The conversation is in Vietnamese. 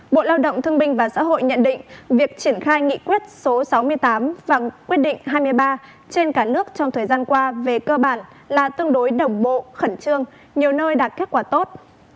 bộ lao động thương binh và xã hội nhận định việc triển khai nghị quyết số sáu mươi tám và quyết định hai mươi ba trên cả nước trong thời gian qua về cơ bản là tương đối đồng bộ khẩn trương nhiều nơi đạt kết quả tốt